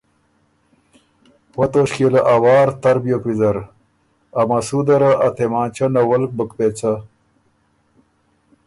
وۀ توݭکيې له ا وار تر بیوک ویزر، ا مسوده ره ا تېمانچۀ نولک بُک پېڅه